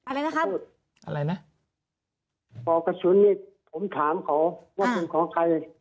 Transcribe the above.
อะไรนะครับอะไรนะปอกกระสุนนี่ผมถามเขาว่าเป็นของใคร